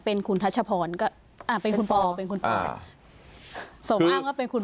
เป็นคุณทัชพรเป็นคุณปอสมอ้างว่าเป็นคุณปอ